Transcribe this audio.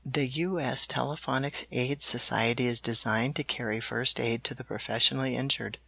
"The U. S. Telephonic Aid Society is designed to carry First Aid to the Professionally Injured.